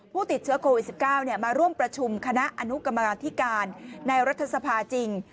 ผู้ติดเชื้อโควิด๑๙มาร่วมประชุมคณะอนุกรรมาธิการในรัฐสภาจริง